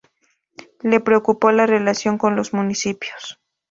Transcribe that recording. Le preocupó la relación con los municipios.